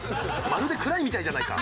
まるで暗いみたいじゃないか。